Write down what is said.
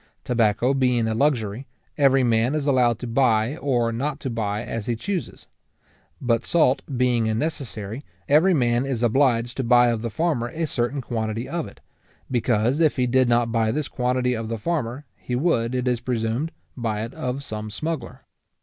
Tobacco being a luxury, every man is allowed to buy or not to buy as he chuses; but salt being a necessary, every man is obliged to buy of the farmer a certain quantity of it; because, if he did not buy this quantity of the farmer, he would, it is presumed, buy it of some smuggler.